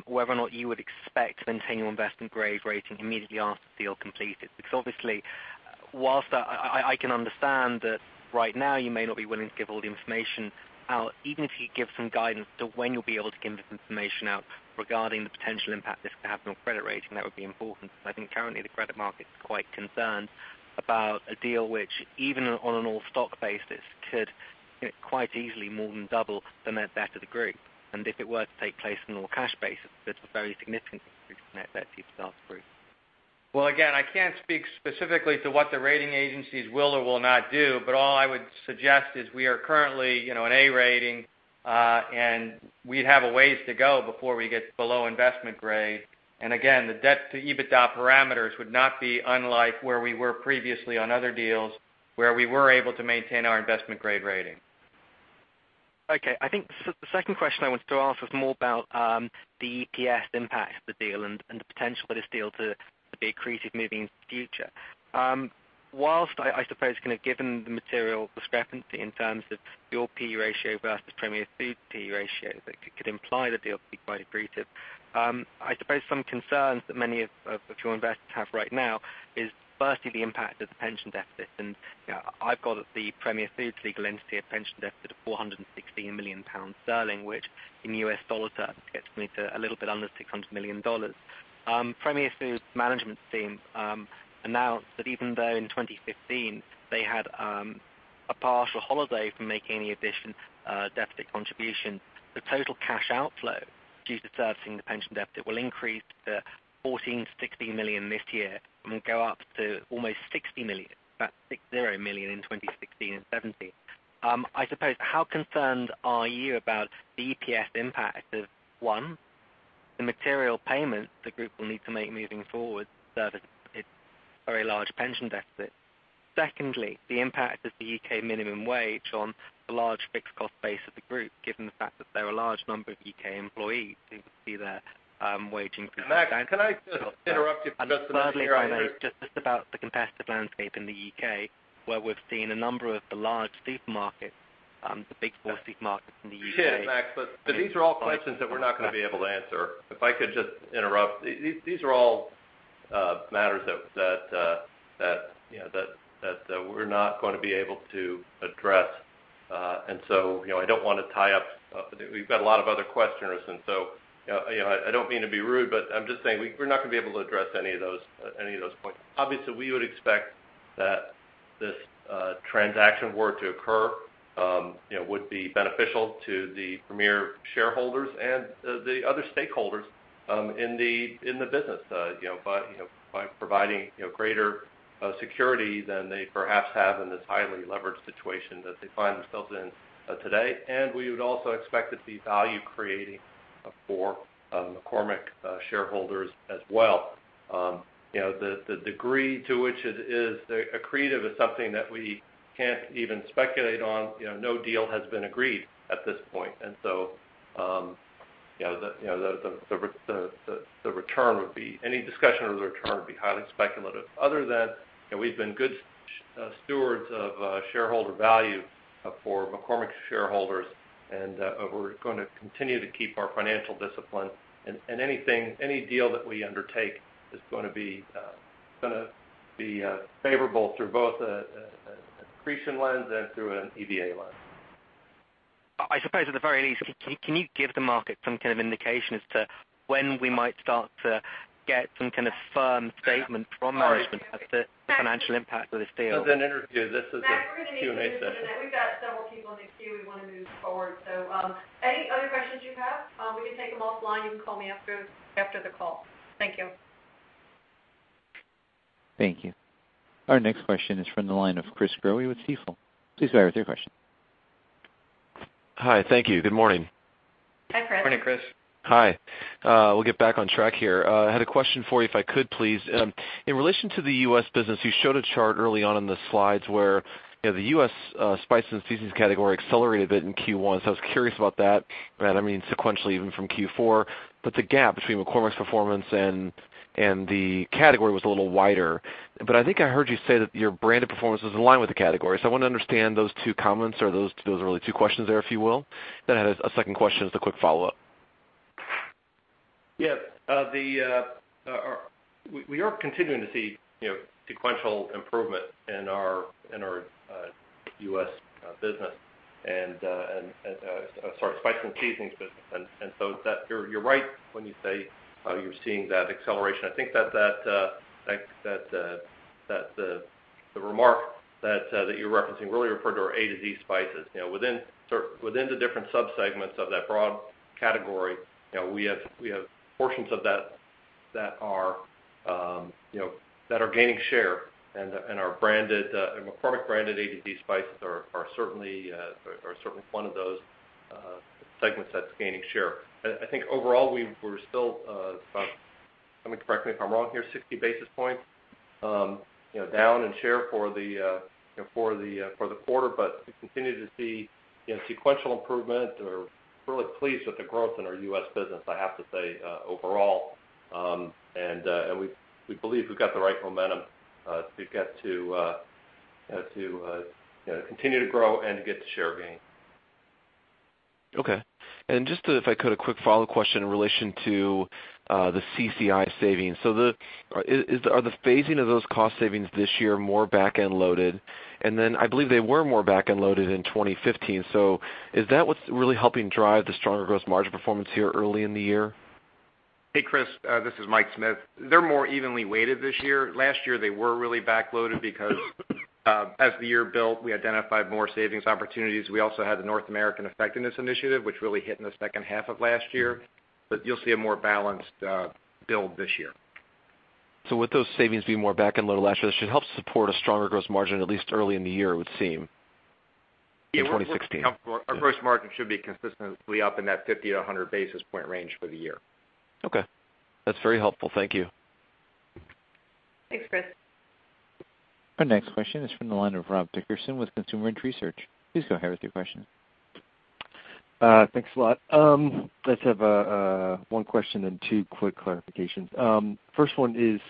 whether or not you would expect to maintain your investment-grade rating immediately after the deal completed, because obviously, whilst I can understand that right now you may not be willing to give all the information out. Even if you give some guidance to when you'll be able to give this information out regarding the potential impact this could have on your credit rating, that would be important. Currently the credit market's quite concerned about a deal which, even on an all-stock basis could quite easily more than double the net debt of the group. If it were to take place on an all cash basis, it's a very significant increase in net debt to the stock group. I can't speak specifically to what the rating agencies will or will not do, but all I would suggest is we are currently an A rating, and we have a ways to go before we get below investment grade. The debt to EBITDA parameters would not be unlike where we were previously on other deals, where we were able to maintain our investment grade rating. The second question I wanted to ask was more about the EPS impact of the deal and the potential for this deal to be accretive moving into the future. Whilst, given the material discrepancy in terms of your P/E ratio versus Premier Foods P/E ratio, that could imply the deal could be quite accretive. Some concerns that many of your investors have right now is firstly, the impact of the pension deficit. I've got the Premier Foods legal entity, a pension deficit of 416 million sterling, which in US dollars gets me to a little bit under $600 million. Premier Foods management team announced that even though in 2015 they had a partial holiday from making any additional deficit contribution, the total cash outflow due to servicing the pension deficit will increase to $14 million-$16 million this year and will go up to almost $60 million, about 60 million in 2016 and 2017. How concerned are you about the EPS impact of, one, the material payments the group will need to make moving forward to service its very large pension deficit. Secondly, the impact of the U.K. minimum wage on the large fixed cost base of the group, given the fact that there are a large number of U.K. employees who will see their waging- Max, can I just interrupt you for just a minute here? Thirdly, if I may, just about the competitive landscape in the U.K., where we've seen a number of the large supermarkets, the big four supermarkets in the U.K. Yeah, Max, these are all questions that we're not going to be able to answer. If I could just interrupt, these are all matters that we're not going to be able to address. I don't want to tie up. We've got a lot of other questioners. I don't mean to be rude, but I'm just saying we're not going to be able to address any of those points. Obviously, we would expect that this transaction were to occur, would be beneficial to the Premier shareholders and the other stakeholders in the business by providing greater security than they perhaps have in this highly leveraged situation that they find themselves in today. We would also expect it to be value creating for McCormick shareholders as well. The degree to which it is accretive is something that we can't even speculate on. No deal has been agreed at this point. Any discussion of the return would be highly speculative. Other than, we've been good stewards of shareholder value for McCormick shareholders, and we're going to continue to keep our financial discipline. Any deal that we undertake is gonna be favorable through both an accretion lens and through an EVA lens. I suppose at the very least, can you give the market some kind of indication as to when we might start to get some kind of firm statement from management as to the financial impact of this deal? As an interview, this is a Q&A session. Max, we're gonna need to move you to the next. We've got several people in the queue we want to move forward. Any other questions you have, we can take them offline. You can call me after the call. Thank you. Thank you. Our next question is from the line of Chris Growe with Stifel. Please go ahead with your question. Hi. Thank you. Good morning. Hi, Chris. Morning, Chris. Hi. We'll get back on track here. I had a question for you, if I could, please. In relation to the U.S. business, you showed a chart early on in the slides where the U.S. spice and seasonings category accelerated a bit in Q1, so I was curious about that. I mean, sequentially even from Q4. The gap between McCormick's performance and the category was a little wider. I think I heard you say that your branded performance was in line with the category. I want to understand those two comments or those really two questions there, if you will. I had a second question as a quick follow-up. Yes. We are continuing to see sequential improvement in our U.S. business and Sorry, spice and seasonings business. You're right when you say you're seeing that acceleration. I think the remark that you're referencing really referred to our A to Z spices. Within the different subsegments of that broad category, we have portions of that are gaining share, and McCormick branded A to Z spices are certainly one of those segments that's gaining share. I think overall we're still, somebody correct me if I'm wrong here, 60 basis points down in share for the quarter. We continue to see sequential improvement and we're really pleased with the growth in our U.S. business, I have to say, overall. We believe we've got the right momentum to continue to grow and to get to share gains. Okay. Just if I could, a quick follow question in relation to the CCI savings. Are the phasing of those cost savings this year more back-end loaded? Then I believe they were more back-end loaded in 2015. Is that what's really helping drive the stronger gross margin performance here early in the year? Hey, Chris, this is Mike Smith. They're more evenly weighted this year. Last year, they were really back-loaded because as the year built, we identified more savings opportunities. We also had the North American effectiveness initiative, which really hit in the second half of last year. You'll see a more balanced build this year. With those savings being more back-end loaded last year, this should help support a stronger gross margin at least early in the year, it would seem, in 2016. Yeah. Our gross margin should be consistently up in that 50-100 basis point range for the year. Okay. That's very helpful. Thank you. Thanks, Chris. Our next question is from the line of Rob Dickerson with Consumer Edge Research. Please go ahead with your question. Thanks a lot. Let's have one question and two quick clarifications. First one is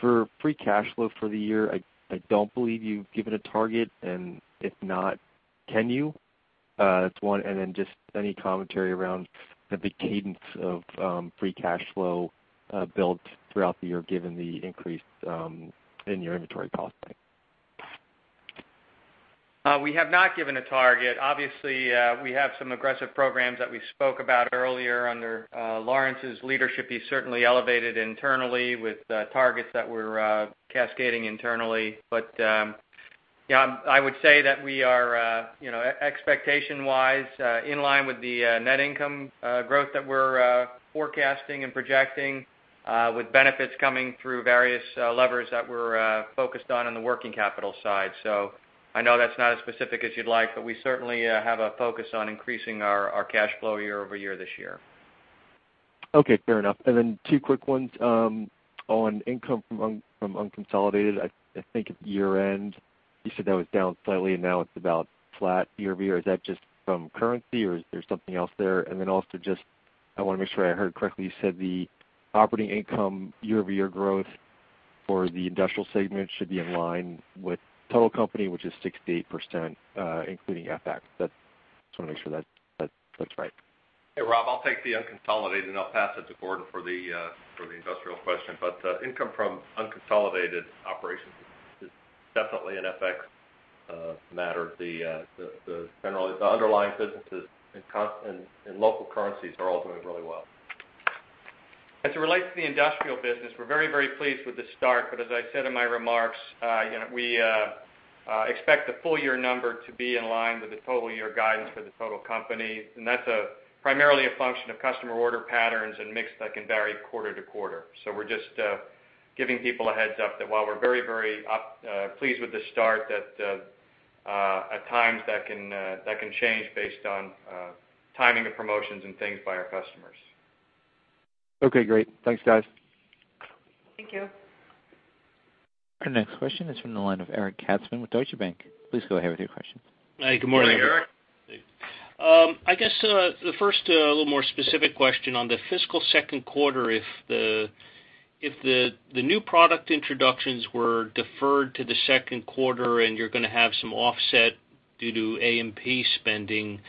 for free cash flow for the year, I don't believe you've given a target, and if not, can you? That's one, just any commentary around the cadence of free cash flow built throughout the year, given the increase in your inventory policy. We have not given a target. Obviously, we have some aggressive programs that we spoke about earlier under Lawrence's leadership. He's certainly elevated internally with targets that we're cascading internally. Yeah, I would say that we are, expectation-wise, in line with the net income growth that we're forecasting and projecting, with benefits coming through various levers that we're focused on the working capital side. I know that's not as specific as you'd like, but we certainly have a focus on increasing our cash flow year-over-year this year. Okay, fair enough. Two quick ones. On income from unconsolidated, I think at year end, you said that was down slightly, and now it's about flat year-over-year. Is that just from currency, or is there something else there? Also just, I want to make sure I heard correctly, you said the operating income year-over-year growth for the industrial segment should be in line with total company, which is 68%, including FX. Just want to make sure that's right. Hey, Rob, I'll take the unconsolidated, I'll pass it to Gordon for the industrial question. Income from unconsolidated operations is definitely an FX matter. The underlying businesses in local currencies are all doing really well. As it relates to the industrial business, we're very pleased with the start. As I said in my remarks, we expect the full-year number to be in line with the total year guidance for the total company. That's primarily a function of customer order patterns and mix that can vary quarter to quarter. We're just giving people a heads up that while we're very pleased with the start, that at times that can change based on timing of promotions and things by our customers. Okay, great. Thanks, guys. Thank you. Our next question is from the line of Eric Katzman with Deutsche Bank. Please go ahead with your question. Good morning, Eric. Good morning, Eric. I guess the first little more specific question on the fiscal second quarter, if the new product introductions were deferred to the second quarter and you're going to have some offset due to A&P spending,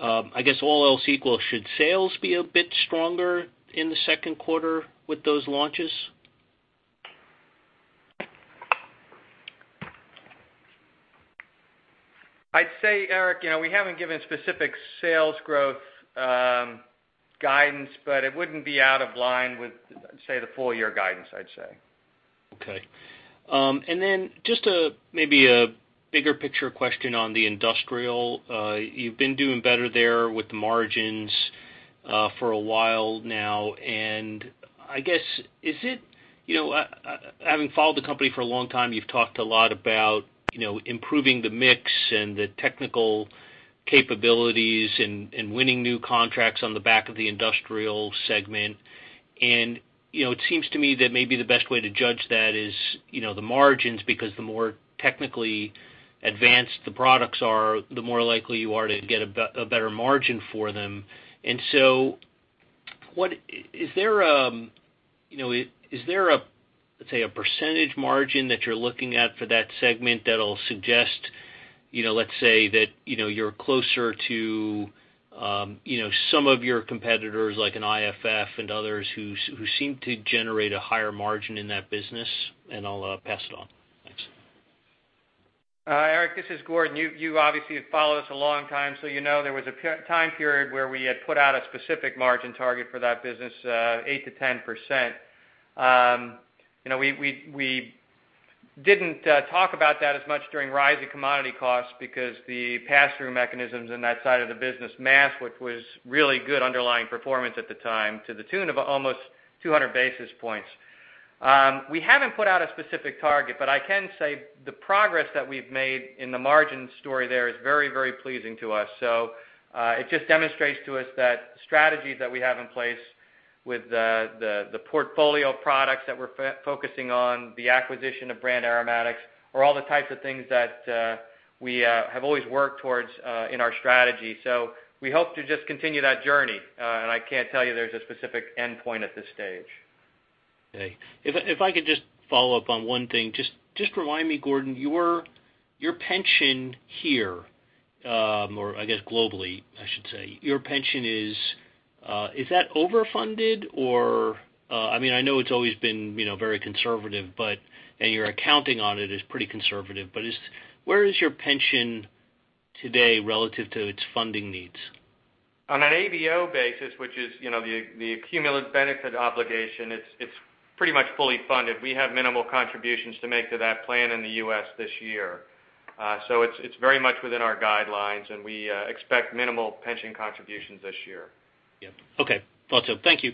I guess all else equal, should sales be a bit stronger in the second quarter with those launches? I'd say, Eric, we haven't given specific sales growth guidance, but it wouldn't be out of line with, say, the full-year guidance, I'd say. Okay. Just maybe a bigger picture question on the Industrial. You've been doing better there with the margins for a while now. I guess, having followed the company for a long time, you've talked a lot about improving the mix and the technical capabilities and winning new contracts on the back of the Industrial Segment. It seems to me that maybe the best way to judge that is the margins, because the more technically advanced the products are, the more likely you are to get a better margin for them. Is there, let's say, a percentage margin that you're looking at for that segment that'll suggest, let's say that you're closer to some of your competitors, like an IFF and others who seem to generate a higher margin in that business? I'll pass it on. Thanks. Eric, this is Gordon. You obviously have followed us a long time, so you know there was a time period where we had put out a specific margin target for that business, 8%-10%. We didn't talk about that as much during rising commodity costs because the pass-through mechanisms in that side of the business masked what was really good underlying performance at the time to the tune of almost 200 basis points. I can say the progress that we've made in the margin story there is very pleasing to us. It just demonstrates to us that strategies that we have in place with the portfolio of products that we're focusing on, the acquisition of Brand Aromatics, are all the types of things that we have always worked towards in our strategy. We hope to just continue that journey. I can't tell you there's a specific endpoint at this stage. Okay. If I could just follow up on one thing. Just remind me, Gordon, your pension here, or I guess globally, I should say, your pension, is that overfunded? I know it's always been very conservative, and your accounting on it is pretty conservative, where is your pension today relative to its funding needs? On an ABO basis, which is the accumulated benefit obligation, it's pretty much fully funded. We have minimal contributions to make to that plan in the U.S. this year. It's very much within our guidelines, and we expect minimal pension contributions this year. Yeah. Okay. Got you. Thank you.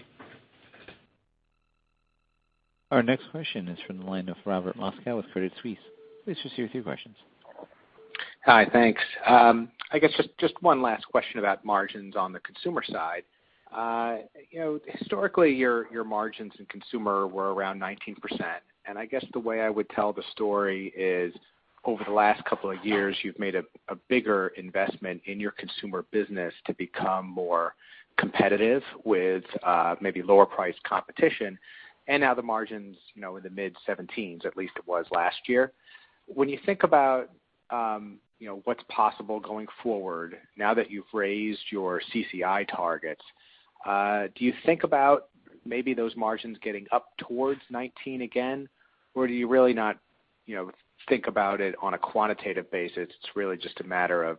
Our next question is from the line of Robert Moskow with Credit Suisse. Please proceed with your questions. Hi. Thanks. I guess just one last question about margins on the consumer side. Historically, your margins in consumer were around 19%, and I guess the way I would tell the story is, over the last couple of years, you've made a bigger investment in your consumer business to become more competitive with maybe lower priced competition. Now the margin's in the mid-17s, at least it was last year. When you think about what's possible going forward, now that you've raised your CCI targets, do you think about maybe those margins getting up towards 19 again, or do you really not think about it on a quantitative basis? It's really just a matter of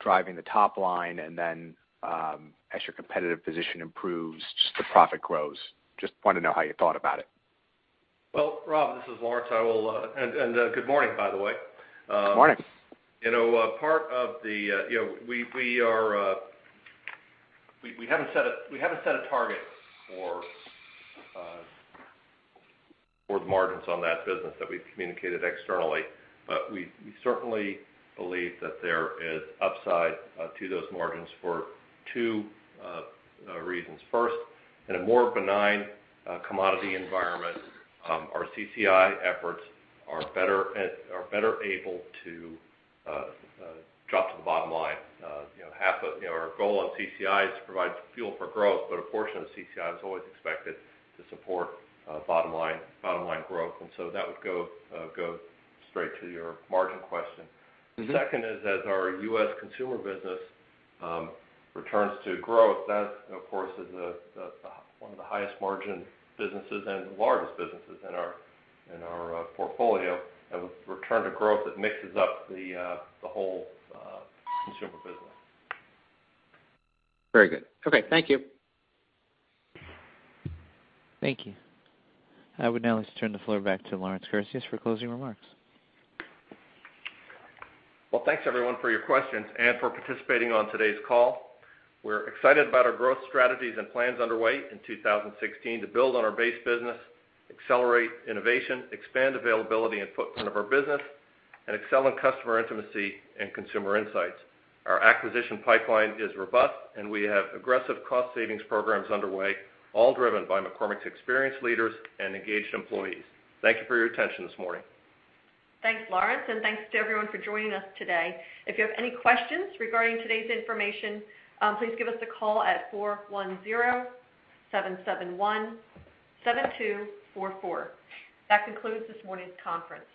driving the top line and then as your competitive position improves, just the profit grows. Just want to know how you thought about it. Well, Rob, this is Lawrence Kurzius and good morning, by the way. Good morning. We haven't set a target for the margins on that business that we've communicated externally, but we certainly believe that there is upside to those margins for two reasons. First, in a more benign commodity environment, our CCI efforts are better able to drop to the bottom line. Our goal on CCI is to provide fuel for growth, but a portion of CCI is always expected to support bottom-line growth, and so that would go straight to your margin question. Second is as our U.S. consumer business returns to growth, that of course, is one of the highest margin businesses and the largest businesses in our portfolio. Have a return to growth that mixes up the whole consumer business. Very good. Okay. Thank you. Thank you. I would now like to turn the floor back to Lawrence Kurzius for closing remarks. Well, thanks everyone for your questions and for participating on today's call. We're excited about our growth strategies and plans underway in 2016 to build on our base business, accelerate innovation, expand availability and footprint of our business, and excel in customer intimacy and consumer insights. Our acquisition pipeline is robust, and we have aggressive cost savings programs underway, all driven by McCormick's experienced leaders and engaged employees. Thank you for your attention this morning. Thanks, Lawrence, thanks to everyone for joining us today. If you have any questions regarding today's information, please give us a call at 410-771-7244. That concludes this morning's conference.